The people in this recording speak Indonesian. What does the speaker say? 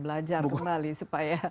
belajar kembali supaya